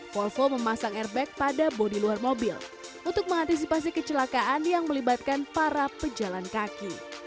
polvo memasang airbag pada bodi luar mobil untuk mengantisipasi kecelakaan yang melibatkan para pejalan kaki